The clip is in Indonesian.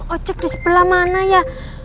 ojek di sebelah mana ya